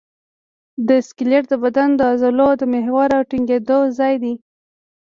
سکلیټ د بدن د عضلو د محور او ټینګېدو ځای دی.